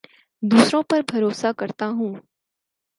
دوسروں پر بھروسہ کرتا ہوں